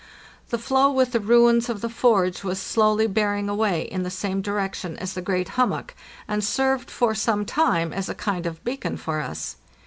The floe with the ruins of the forge was slowly bearing away in the same direction as the great hummock, and served for some time as a kind of beacon for us.